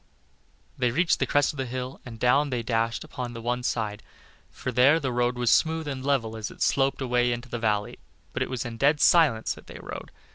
They reached the crest of the hill, and down they dashed upon the other side; for there the road was smooth and level as it sloped away into the valley, but it was in dead silence that they rode.